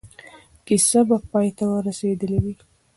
کیسه به پای ته رسېدلې وي.